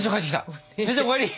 姉ちゃんお帰り！